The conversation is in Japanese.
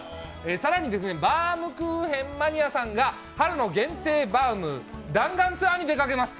更に、バウムクーヘンマニアさんが春の限定バウム弾丸ツアーに出かけます。